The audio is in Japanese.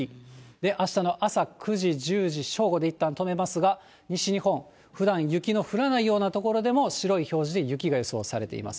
あしたの朝９時、１０時、正午でいったん止めますが、西日本、ふだん雪の降らないような所でも白い表示で雪が予想されています。